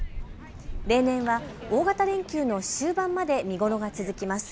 例年は大型連休の終盤まで見頃が続きます。